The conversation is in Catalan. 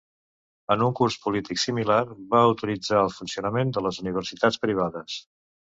En un curs polític similar, va autoritzar el funcionament de les universitats privades.